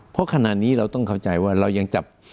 เพราะขณะนี้เราต้องเข้าใจว่าเรายังจับ